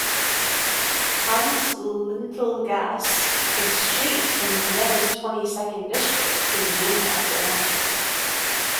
"Hannes-Lintl-Gasse," a street in Vienna's twenty-second district, is named after him.